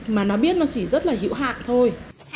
mà nó biết nó chỉ rất là hữu hạng thôi